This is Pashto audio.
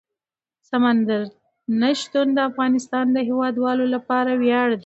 سمندر نه شتون د افغانستان د هیوادوالو لپاره ویاړ دی.